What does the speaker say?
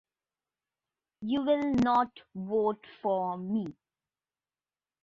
You will not vote for me!